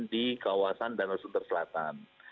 di kawasan danau sunter selatan